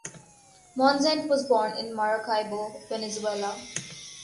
Monzant was born in Maracaibo, Venezuela.